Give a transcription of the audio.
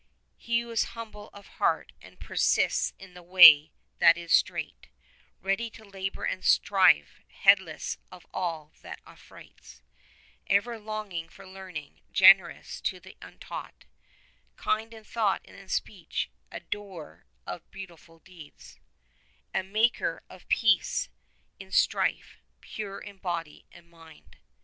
He who is humble of heart and persists in the way that is straight, Ready to labour and strive, heedless of all that affrights, Ever longing for learning, generous to the untaught, Kind in thought and in speech, a doer of beautiful deeds, A maker of peace in strife, pure in body and mind.